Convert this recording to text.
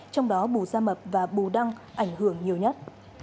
trong đó bù gia mập và bù đăng ảnh hưởng nhiều nhất